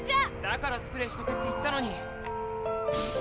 だからスプレーしとけって言ったのに。